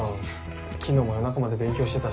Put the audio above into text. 昨日も夜中まで勉強してたし。